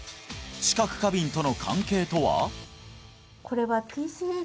知覚過敏との関係とは？